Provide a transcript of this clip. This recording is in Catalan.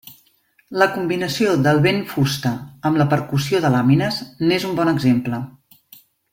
La combinació del vent-fusta amb la percussió de làmines n'és un bon exemple.